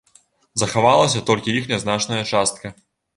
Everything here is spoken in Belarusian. Захавалася толькі іх нязначная частка.